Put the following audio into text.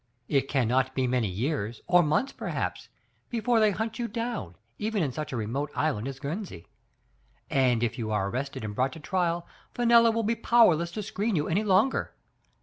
It cannot be many years, or months, perhaps, before they hunt you down, even in such a remote island as Guernsey. And if you are arrested and brought to trial, Fenella will be powerless to screen you any longer.